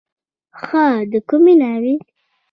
ښه د کومې ناوې.